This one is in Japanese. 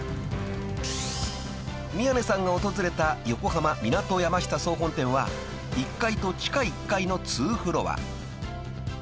［宮根さんが訪れた横浜港山下総本店は１階と地下１階の２フロア］